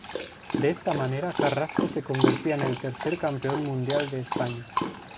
De esta manera Carrasco se convertía en el tercer Campeón Mundial de España.